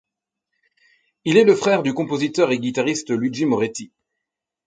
Il est le frère du compositeur et guitariste Luigi Moretti.